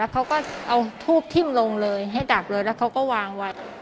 เขาก็เอาทูบทิ้มลงเลยให้ดักเลยแล้วเขาก็วางไว้